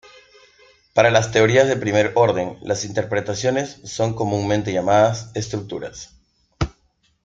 Para las teorías de primer orden, las interpretaciones son comúnmente llamadas estructuras.